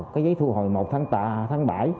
cái giấy thu hồi một tháng bảy